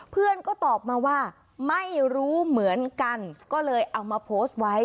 เพื่อนก็ตอบมาว่าไม่รู้เหมือนกันก็เลยเอามาโพสต์ไว้